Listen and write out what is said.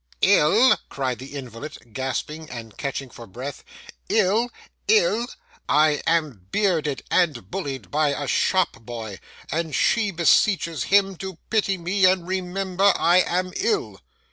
'Ill!' cried the invalid, gasping and catching for breath. 'Ill! Ill! I am bearded and bullied by a shop boy, and she beseeches him to pity me and remember I am ill!